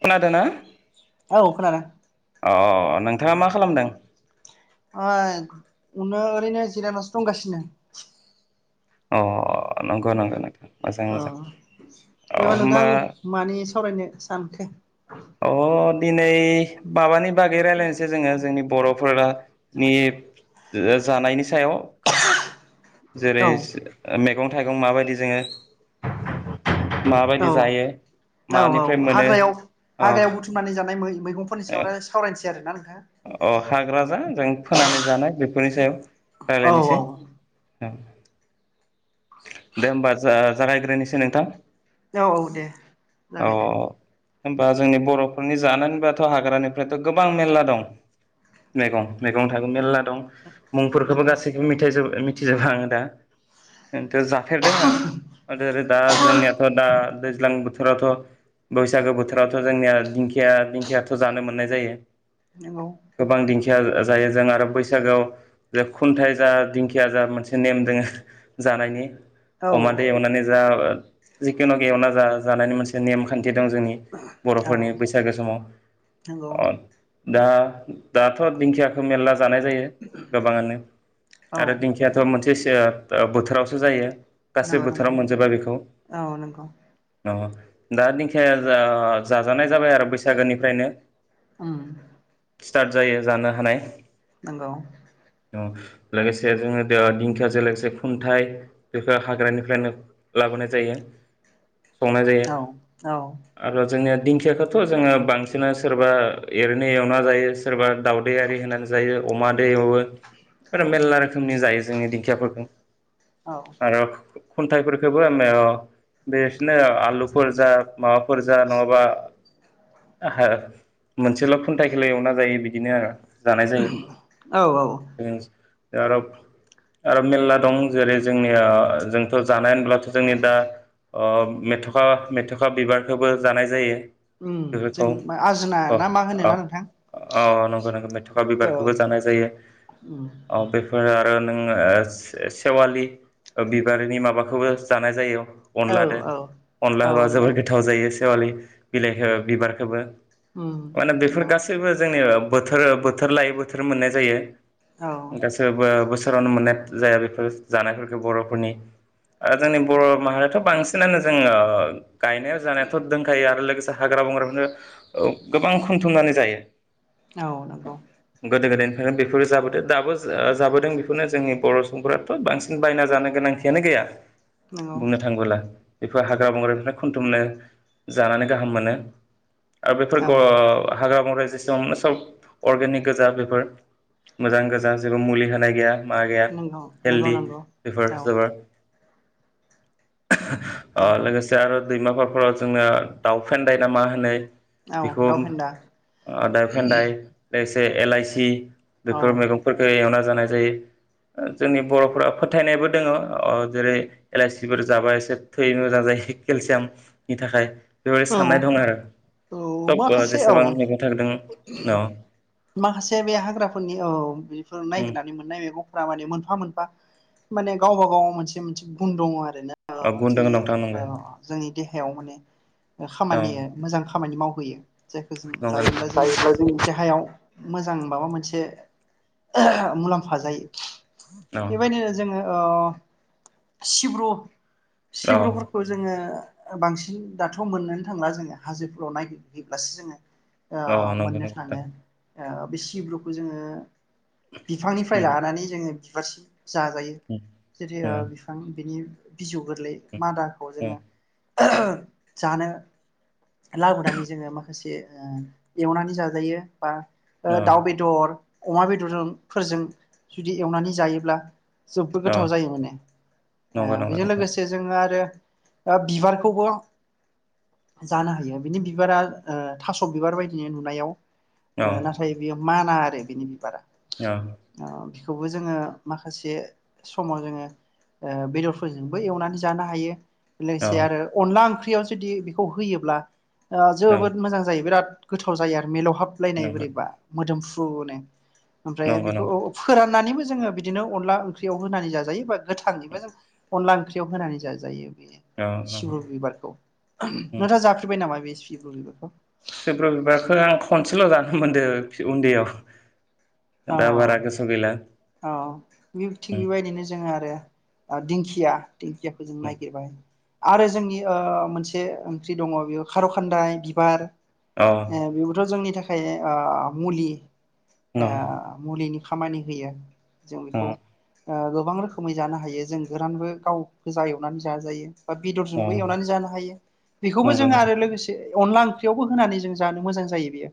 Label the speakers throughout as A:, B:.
A: खोनादों ना
B: औ खोनादों
A: अ नोंथाङा मा खालामदों?
B: बेनो जिरायना सो दंगासिनो।
A: अ नंगौ नंगौ नोंथां मोजां
B: अ
A: मोजां अ
B: देबा नोंथां
A: होमबा
B: मानि सावरायनो सानखो?
A: अ दिनै बाबानि बागै रायलायनोसै जोङो जोंनि बर'फोरानि ओ जानायनि सायाव। जेरै
B: औ
A: स नेक मैगं थाइगं माबायदि जोङो
B: औ
A: माबायदि जायो,
B: औ
A: मानिफ्राय मोनो
B: हाग्रायाव
A: अ
B: हाग्रायाव बुथुमनानै जानाय मैगंफोरनि सायाव राय सावरायनोसै। सै आरोना नोंथां?
A: अ हाग्रा जा जों फोनानै जानाय बेफोरनि सायाव
B: औ
A: रायज्लायनोसै।
B: औ
A: दे होमबा जा-जागायग्रोनोसै नोंथां।
B: औ औ दे
A: अ
B: जागाय दे।
A: होमबा जोंनि बर'फोरनि जानो होनबाथ' हाग्रानिफ्रायथ' गोबां मेरला दं। मैगं मैगं थायगं मेलला दं। मुंफोरखौबो
B: नंगौ
A: गासैबो मिथायजोबा मि थिजोबा आं दा। खिन्थु जाफेरदों आं आरो दा जोंनियाथ' दा दैज्लां बोथोर बोथोरावथ' बैसागो बोथोरावथ' जोंनिया दिंखिया दिंखियाथ' जानो मोननाय जायो।
B: हेलौ।
A: या जायो जों आरो बैसागोआव जे खुन्थाइ जा दिंखिया जा मोनसे नेम दोङो जानायनि।
B: औ
A: अमादो एवनानै जा जिखुनु एवना जा जानायनि मोनसे नेम खान्थि दं जोंनि बर'फोरनि बैसागो समाव।
B: नंगौ
A: दा दाथ' दिंखियाखौ मेरला जानाय जायो गोबाङानो
B: औ
A: आरो दिंखियाथ'
B: नंगौ
A: मोनसे सियार दा बोथोरावसो जायो गासै
B: नंगौ नंगौ
A: बोथोराव मोनजाबा बेखौ
B: औ नंगौ
A: दा दिंखिया जाजानाय जाबाय आरो बैसागोनिफ्रायनो
B: उम
A: स्टार्ट जायो जानो हानाय
B: नंगौ
A: औ लोगोसे जोङो दिंखियाजो लोगोसे खुन्थाइ बेखौ हाग्रानिफ्रायनो लाबोनाय जायो। संना जायो
B: औ औ
A: आरो जोंनिया दिंखियाखौथ' जोङो बांसिना सोरबा एरैनो एवना जायो सोरबा दावदैआरि होनानै जायो अमा नदो एवो मानो मेरला रोखोमनि जायो जोंनि दिंखियाफोरखौ
B: औ
A: आरो खुन्थाइफोरखौबो ओम मेओ बेसोनो आलुफोर जा माबाफोर जा नङाबा ओहो मोनस जोलाल खुन्थाइखोलाइ एवना बे बिदिनो आरो जानाय जायो
B: औ औ
A: दारब आरो मेनला दं जेरै जोंनिया ओ जोंथ' जानाय होनब्ला जोंनि दा ओ मेथ'खा मेथ'खा बिबारखौबो जानाय जायो
B: ओम जों
A: बेफोरखौ
B: मा आजोना
A: औ
B: ना मा
A: औ
B: होनोना नोंथां
A: औ नंगौ नंगौ मेथ'खा बिबारखौबो जानाय जायो
B: उम
A: औ बेफोर ओ आरो नोङो ओ से-सेवालि ओ बिबारनि माबाखौबो जानाय जायो
B: औ
A: अनलादो
B: औ
A: अनला
B: औ
A: होबा
B: नंगौ
A: जोबोर गोथाव जायो सेेवालि बिलाइखौ ओ बिबारखोबो
B: ओम अह
A: जोंनि बोथोर बोथोर लायै बोथोर मोननाय जायो
B: औ
A: गासोबो बोस सोरावनो मोननाय जाया बेफोर जानायफोरखौ बर'फोरनि आरो जोंनि बर' माहारियाथ' बांसि सिनानो जोङो गायनायाव जानायाथ' दोंखायो आरो लोगोसे हाग्रा-बंग्राखौनो औ गोबां खनथुमनानै जायो। [inaudible]
B: औ नंगौ
A: गोदो गोदायनिफ्रायनो बेफोरो जाबोदो दाबो जा जाबोदों बेफोरनो जोंनि बर' सुबुंफोराथ' बांसिन बायना जानो गोनांथियानो गैया। बुंनो थांबोला बेफोर हाग्रा बंग्रानिफ्राय खन्थुमनो जानानै गाहाम मोनो आरो बेफोर
B: औ
A: ग हाग्रा-बं हम सब अर्गेनिक गोजा मोजां गोजा बेफोर जेबों मुलि होनाय गैया मा गैया
B: नंगौ नंगौ
A: हेलडि
B: नंगौ
A: बेफोर
B: औ
A: जोबोर
B: नंगौ
A: लोगोसे आरो दैमाफारफोराव जोंना दाउ फेनन्दाय ना मा होनो
B: औ
A: बेखौ
B: दावफेन्दा
A: ओ दा फेन्दाय ए एलआइसि
B: औ
A: बेफोर मेगंफोरखौ एवना जानाय जै जोंनि बर'फोरा फोथायनायबो दङ ओ जेरै एलइसिफोर जाबा एसे थै मोजां जायो केलसियामनि थाखाय बेबायदि
B: औ
A: साननाय दं आरो
B: औ
A: सब
B: माखासे औ
A: जेसेबां मैगं थाइदों औ
B: माखासे बे हाग्राफोरनि औ बे
A: उम
B: नायग्रानै मोननाय मैगंफोरा माने मोनफा मोनफा माने गावबा गाव मोनसे मोनसे गुन दङ आरो ओ
A: औ
B: अ
A: गुन दङ
B: जोंनि ओ
A: नोंथां नंगौ
B: जोंनि जोंनि देहायाव माने
A: औ
B: खामानि ओ मोजां खामानि मावहैयो जायखौ जों
A: नंगौ
B: जायोब्ला
A: नोंथां
B: जोंनि देहायाव मोजां माबा मोनसे ओह मुलाम्फा जायो।
A: औ
B: बेबायदिनो जोङो ओव सिब्रु
A: औ
B: सिब्रुफोरखौ जोङो ओ बांसिन दा थ मोननोनो थांला जोङो हाजोफोराव नायगिरहैयोब्लासो जोङो ओ
A: औ नंगौ नंगौ
B: मोननो
A: नोंथां
B: थाङो ओ बे सिब्रुखौ जोङो बिफांनिफ्राय
A: उम
B: लानानै जोङो बिबारसि जाजायो
A: उम
B: जेरै
A: उम
B: बिफां बिनि बिजौ गोरलै
A: उम
B: मादाखौ
A: उम
B: जोङो [inaudible] जानो लाबोनानै जोङो माखासे ओ एवनानै जाजायो बा ओ
A: औ
B: दाउ बेदर अमा बेदरजों फोरजों जुदि एवनानै जायोब्ला जोबोद
A: औ
B: गोथाव जायो माने
A: नंगौ
B: ओ
A: नंगौ
B: बेजों
A: नोंथां
B: लोगोसे जोङो आरो दा बिबारखौबो जानो हायो बिनि बिबारा ओ थास बिबार बायदि नुनायाव। ओ
A: औ
B: नाथाय बेयो माना आरो बिनि बिबारा
A: [unintelligible]
B: खौबो जोङो माखासे समाव जोङो बेदरफोरजोंबो एवनानै जानो हायो
A: औ
B: लोगोसे आरो अनला ओंख्रियाव जुदि बेखौ होयोब्ला ओ
A: नंगौ
B: जोबोद मोजां जायो बिराद गोथाव जायो आरो मेलावहाबलायनाय
A: नंगौ
B: बोरैबा मोदोमुफु [inaudible] ओमफ्राय
A: नंगौ
B: बेखौ
A: नंगौ
B: फोराननानैबो जोङो बिदिनो अनला ओंख्रियाव होनानै जाजायो बाट गोथांनिबो जों अनला ओंख्रि बेखौ होनानै जाजायो
A: औ नंगौ
B: सिब्र' बिबारखौ नोंथा जाफेरबाय नामा बे सिब्रुमैगंखौ
A: सुब्र बिबारखौ आं खनसेल जानो मोनदों उन्दैयाव
B: औ
A: दा बारा गोसोआव गैला
B: औ औ थिग
A: उम
B: बेबायदिनो जोङो आरो आरो दिंखिया
A: उम
B: [unintelligible] गोबां आरो जोंनि ओ मोनसे ओंख्रि दंङ बेयो खार खान्दाय बिबार
A: औ
B: ए बेबोथ जोंनि थाखाय ए ओ मुलि
A: न
B: ए मुलिनि खामानि होयो। जों
A: अ
B: बेखौ ओ गोबां रोखोमै जानो हायो जों गोरानबो गाव गोजा एवनानै जाजायो। बा
A: अ
B: बेदरजोंबो एवनानै जानो हायो बेखौबो
A: नंगौ
B: जों
A: नंगौ
B: आरो लोगोसे अनला ओंख्रियावबो होनानै जों जानो मोजां जायो बेयो।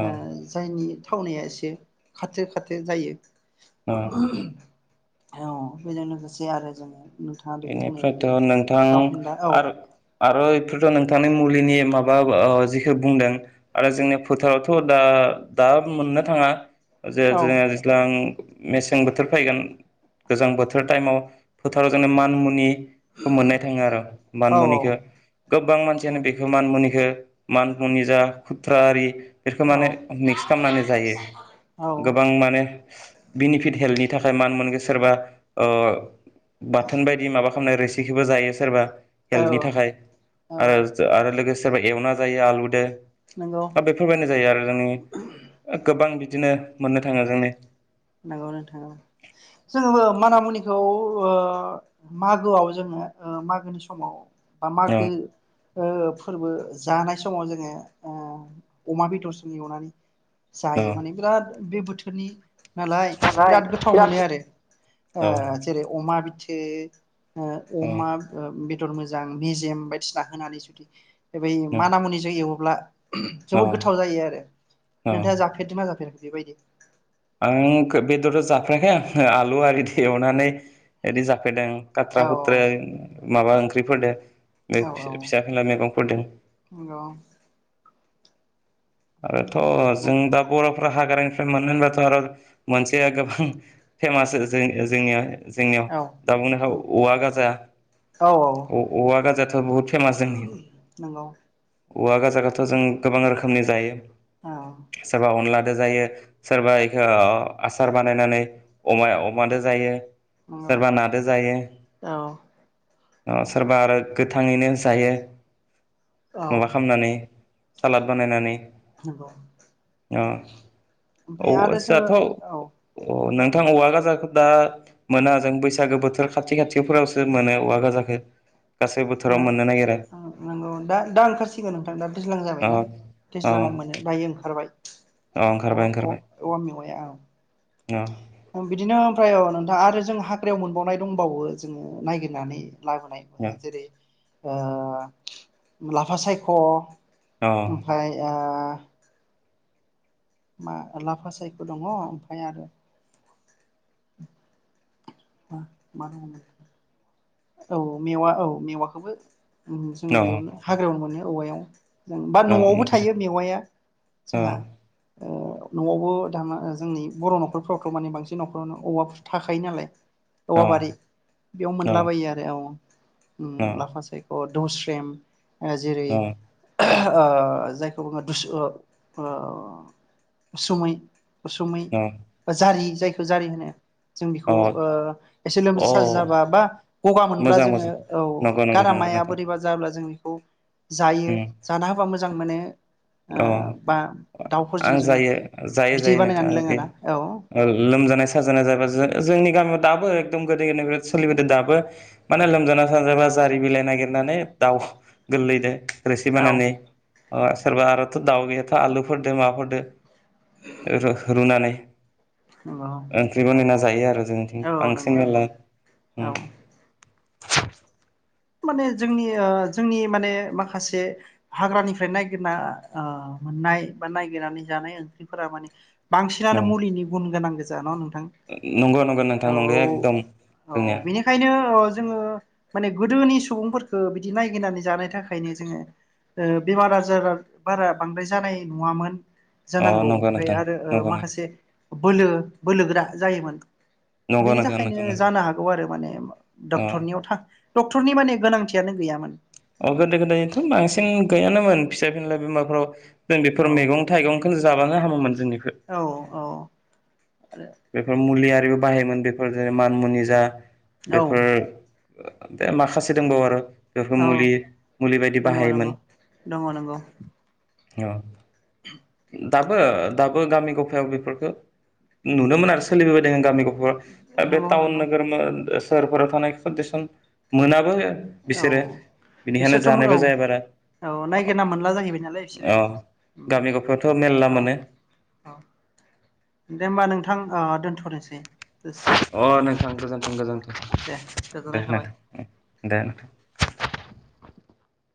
A: अ
B: ओ जायनि थावनाया खाथो खाथो जायो।
A: औ।
B: औ बेजों लोगोसे आरो जोंङो।
A: बेनिफ्रायथ नोंथां
B: औ
A: आरो आरो बेफोरथनोंथांनि मुलिनि माबा जिखौ बुंदों आरो जोंनि फोथारावथ' दा दा मोननो थांङा। [inaudible]
B: औ
A: मेसें बोथोर फैगोन गोजां बोथोर टाइमाव फोथाराव जों मानि मुनि मोननो थांङो आरो मानि
B: औ
A: मुनिखौ गोबां मानसियानो बेखौ मानि मुनिखौ मानि मुनिजा खुथ्रा आरि बेफोरखौ माने मिक्स खालामनानै जायो
B: औ
A: गोबां माने बेनिफिट हेल्थनि थाखाय मा होनगोन सोरबा बाथोन बायदि माबा खालामनाय रोसिखिबो जायो सोरबा।
B: औ
A: हेल्थनि थाखाय
B: औ
A: आरो आरो लोगोसे सोरबा एवना जायो आलुजों।
B: नंगौ
A: बेफोर बायदि जायो आरो जोंनि गोबां बिदि बिदिनो मोननो थांङा जोंनि
B: नोंगौ नोंथां जोंङो माना मुनि खौ ओ मागोआव जोंङो मागोनि समाव बा
A: औ
B: मागो। फोरबो जानाय समाव जोंङो अमा बेदरजों एवनानै
A: औ
B: जायो माने बिराद बे बोथोरनि नालाय बिराद गोथाव मोनो आरो जेरै अमा बि ए [inaudible] अ अमा बेदर मोजां मेजेम बायदिसिना होनानै जुदि बै
A: औ
B: माना मुनिजों एवोब्ला
A: औ
B: जोबोद गोथाव जायो आरो
A: औ
B: नोंथाङा जाफेरदों मा जाफेराखै? बेबायदि
A: आं खो बेदराव जाफेराखै आं आलु आरि एवनानै बिदि जाफेरदों
B: औ
A: खात्रा खुत्रें माबा ओंख्रिफोरदो
B: औ औ
A: फिसा फिनला मेगंफोरदों।
B: नंगौ
A: आरोथ
B: औ
A: जों दा बरफोरा हाग्रा फ्राय मोननोबाथ आरो मोनसे गोबां फेमास जो जोंनिया जोंनियाव दा बुंनो हाग औवा गाजा
B: औ औ
A: औवा गाजायाथ बहुत फेमास जोंनि
B: नंगौ
A: औवा गाजागाथ जों गोबां रोखोमनि जायो।
B: औ
A: सोरबा अनलादो जायो सोरबा बेखौ ओ आसार बानायनानै अमा अमादो जायो।
B: नंगौ
A: सोरबा नादो जायो।
B: औ
A: सोरबा आरो गोथाङैनो जायो।
B: औ
A: माबा खामनानै सालाद बानायनानै
B: [unintelligible]
A: ओ औ
B: ओमफ्राय आरो जोङो
A: आसाथ अ
B: औ
A: नां गोथां औवा गोाजाखौ दा मोना जों बैसागो बोथोर खाथि खाथिफोरावसो मोनो औवा गाजाखो
B: ना नंगौ दा दा ओंखारसिगोन नोंथां दा दैज्लां
A: अ
B: जाबायना।
A: अ
B: दैज्लांआव मोनो दायो ओंखार- बाय अ अ औ मेवाया
A: औ
B: बिदिनो ओमफ्राय औ नोंथां आरो जों हाग्रायाव मोनबावनाय दंबावो जोंङो नायागिरनानै लाबोनाय
A: अ
B: जेरै ओ लाफा सायख
A: अ
B: ओमफाय ओ मा लाफा सायखु दङ ओमफाय आरो मा मा बुङो औ मेवा औ मेवाखोबो उम जों
A: अ
B: बेयावनो हाग्रायाव मोनो। औवायाव जों बा नआवबो थायो मेवाइआ जोंहा अ न'आवबो दा जोंनि बर' न'खरफ्रावथ' माने बांसिन न'खरावनो औवा थाखायो नालाय औवाबारि बेयाव मोनला आ आरो औ उम लाफासै - अ दौस्रेम ओ जेरै ओ जायखौ बुङो दुसु ओ ओ उसुमै उसुमै बा जारि जायखौ जारि होनो। जों बेखौ
A: अ अ
B: ओ एसे लोमजा साजा जाबा बा गगा मोनब्ला
A: मोजां
B: जोङो
A: मोजां
B: औ
A: नंगौ नंगौ नंगौ
B: गारामाया
A: नोंथां
B: बोरैबा बा जों बेखौ जायो, जाना होबा मो जां मोनो। ओ
A: अ
B: बा दाउफोरजों
A: आं
B: जोङो
A: जायो जायो
B: बिदै
A: जायो नोंथां
B: बानायनानै
A: बे
B: लोङोना औ
A: लोमजानाय साजानाय जा जोंनि गामियाव दाबो एकदम गोदै-गोदाय सोलिबोदों दाबो माने लोमजाना सानाजाबा जारि बिलाइ नागिरनानै दाउ गोरलैदो रोसि
B: औ
A: बानायनाय आ सोरबा आरोथ' दाउ गैयाथ' आलुफोरदो माबाफोरदो र रुनानै
B: नंगौ
A: ओंख्रि
B: औ
A: बनायना जायो आरो जोंथिं
B: औ
A: बांसिन
B: नंगौ नंगौ
A: मेला उम।
B: औ
A: [inaudible]
B: माने जोंनि ओ जोंनि माने माखासे हाग्रानिफ्राय नायगिरना आ मोननाय बा नागिरनानै जानाय ओंख्रिफोरा माने बांसिनानो मुलिनि गुन गोनां गो जान' नों
A: नंगौ नंगौ नोंथां नंगौ एकदम
B: औ
A: जोंनिया
B: बेनिखायनो ओ जोङो माने गोदोनि सुबुंफोरफोरखौ बिदि नायगिरनानै जानाय थाखायनो जोङो ओ बेमार आजारा बारा बांद्राय जानाय नुङामोन
A: अ
B: जानांगौ
A: नंगौ
B: ओमफ्राय
A: नोंथां
B: आरो ओ
A: नंगौ
B: माखासे बोलो बोलोगोरा जायोमोन
A: नंगौ
B: बेनि
A: नोंथां
B: थाखायनो
A: नंगौ
B: जानो हागौ आरो माने
A: अ
B: डक्टरनियाव थां डक्टरनि माने गोनांथियानो गैयामोन
A: अ गोदो गोदायथ' बांसिन गैयानोमोन फिसा फिनला बिमारफोराव जों
B: औ
A: बेफोर मैगं थाइगंखौ ज जाबानो हामोमोन जोंनिखो
B: औ औ
A: बेफोर मुलि आर रिबो बाहायोमोन बेफोर जेरै मान मुनि जा
B: औ
A: बेफोर बे माखासे दंबावो आरो बेफोरखौ
B: औ
A: मुलि मुलि बायदि
B: दङ दङ
A: बाहायोमोन
B: दङ नंगौ
A: खिय
B: [inaudible]
A: दाबो दाबो गामि गफायाव बेफोरखो नुनो मोन आरो सोलिबोबायदङ गामि ग बे
B: नंगौ
A: तावन
B: नंगौ
A: नोगोर मो सहरफोराव थानाय टेसन मोनाबो
B: औ
A: बिसोरो बेनिखायनो
B: बिसोरथ' औ
A: जानायबो जाया बारा
B: औ नायगिर ना मोनला जाहैबायदि नालाय बिसोरो
A: अ गामि गफायावथ' मेरला
B: औ
A: मोनो
B: औ दे होमबा नोंथां ओ दोन्थ'नोसै
A: अ नोंथां गोजोनथों गोजोनथों
B: दे गोजोननाय थाबाय
A: दे नोंथां